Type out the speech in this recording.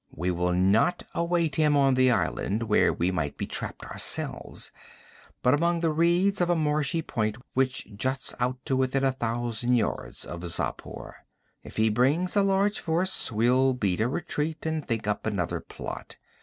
We will not await him on the island, where we might be trapped ourselves, but among the reeds of a marshy point which juts out to within a thousand yards of Xapur. If he brings a large force, we'll beat a retreat and think up another plot.